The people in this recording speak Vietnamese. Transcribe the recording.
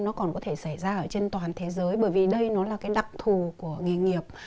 nó còn có thể xảy ra ở trên toàn thế giới bởi vì đây nó là cái đặc thù của nghề nghiệp